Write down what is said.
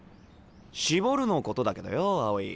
「絞る」のことだけどよ青井。